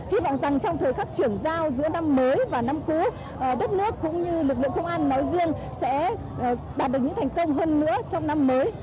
hy vọng rằng trong thời khắc chuyển giao giữa năm mới và năm cũ đất nước cũng như lực lượng công an nói riêng sẽ đạt được những thành công hơn nữa trong năm mới